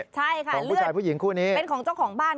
ใช่ค่ะเลือดเป็นของเจ้าของบ้าน